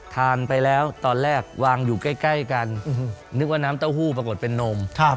ทานไปแล้วตอนแรกวางอยู่ใกล้กันนึกว่าน้ำเต้าหู้ปรากฏเป็นนม